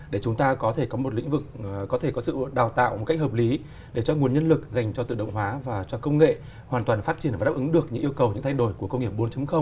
để chúng ta có thể có một lĩnh vực có thể có sự đào tạo một cách hợp lý để cho nguồn nhân lực dành cho tự động hóa và cho công nghệ hoàn toàn phát triển và đáp ứng được những yêu cầu những thay đổi của công nghiệp bốn